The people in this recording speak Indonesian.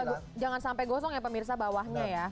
jadi jangan sampai gosong ya pemirsa bawahnya ya